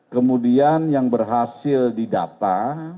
kemudian yang berhasil didata